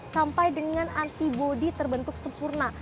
sampai dengan antibody terbentuk sempurna